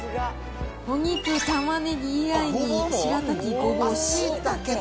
お肉、たまねぎ以外にしらたき、ごぼう、しいたけ。